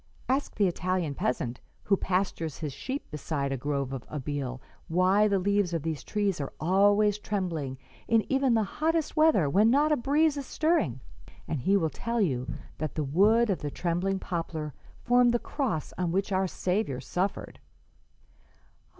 Ask the Italian peasant who pastures his sheep beside a grove of Abele why the leaves of these trees are always trembling in even the hottest weather when not a breeze is stirring, and he will tell you that the wood of the trembling poplar formed the cross on which our Saviour suffered.'"